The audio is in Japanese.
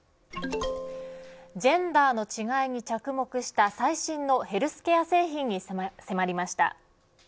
ジェンダーの違いに着目した最新のヘルスケア製品に迫りました。